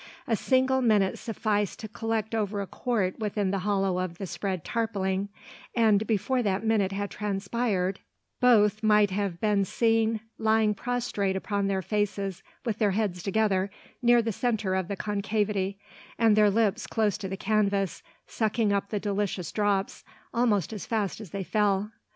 A single minute sufficed to collect over a quart within the hollow of the spread tarpauling; and before that minute had transpired, both might have been seen lying prostrate upon their faces with their heads together, near the centre of the concavity, and their lips close to the canvas, sucking up the delicious drops, almost as fast as they fell.